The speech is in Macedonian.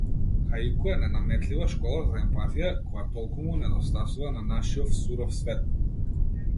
Хаику е ненаметлива школа за емпатија, која толку му недостасува на нашиов суров свет.